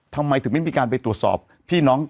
ทำไมถึงไม่มีการไปตรวจสอบพี่น้อง